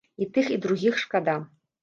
І тых, і другіх шкада.